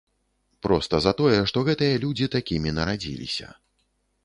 Проста за тое, што гэтыя людзі такімі нарадзіліся.